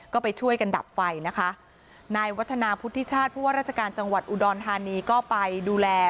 ก็ไปช่วยกันดับไฟนะคะ